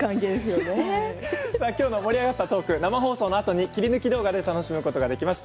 盛り上がったトーク生放送のあとに切り抜き動画で楽しむことができます。